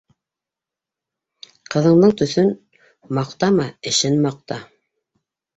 Ҡыҙындың төҫөн маҡтама, эшен маҡта.